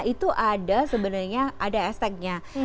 itu ada sebenarnya ada hashtagnya